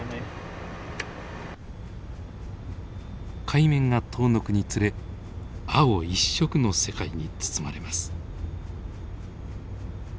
海面が遠のくにつれ青一色の世界に包まれます。